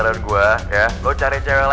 urusan perasaan susah lu